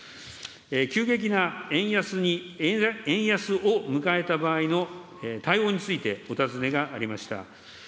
急激な円安に、円安を迎えた場合の対応について、お尋ねがありました。